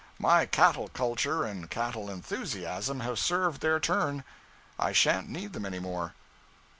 My cattle culture and cattle enthusiasm have served their turn I shan't need them any more.'